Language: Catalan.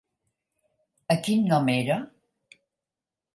A quin nom era?